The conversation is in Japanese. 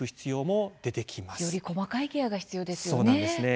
より細かいケアが必要ですよね。